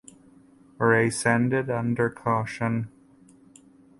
Race ended under caution.